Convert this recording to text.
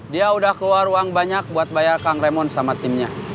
dia udah keluar uang banyak buat bayar kang ramon sama timnya